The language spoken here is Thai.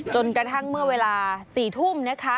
จนกระทั่งเมื่อเวลา๔ทุ่มนะคะ